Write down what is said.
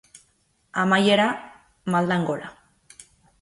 Amaiera, maldan gora.